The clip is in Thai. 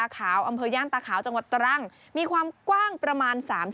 ขึ้นทุกวัน